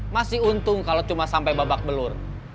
masih untung kalau cuma sampai babak belur